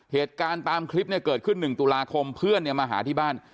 เหตุการณ์ตามคลิปเนี่ยเกิดขึ้น๑ตุลาคมเพื่อนเนี่ยมาหาที่บ้าน